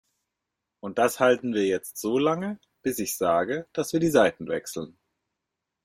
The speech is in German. Und das halten wir jetzt so lange, bis ich sage, dass wir die Seiten wechseln.